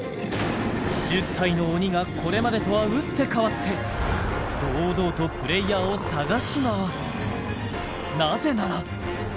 １０体の鬼がこれまでとは打って変わって堂々とプレイヤーを探し回るなぜなら！